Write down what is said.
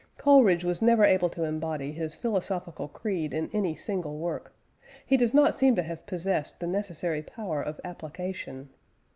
Coleridge was never able to embody his philosophical creed in any single work; he does not seem to have possessed the necessary power of application.